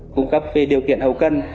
cung cấp về điều kiện hầu cân